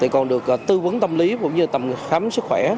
còn được tư vấn tâm lý cũng như tầm khám sức khỏe